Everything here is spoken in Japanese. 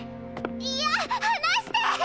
いや離して！